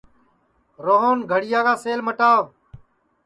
روہن گھڑِیا کا سیل مٹاوَ